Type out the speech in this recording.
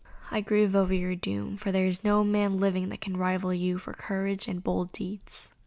I grieve over your doom, for there is no man living that can rival you for courage and bold deeds."